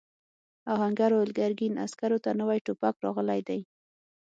آهنګر وویل ګرګین عسکرو ته نوي ټوپک راغلی دی.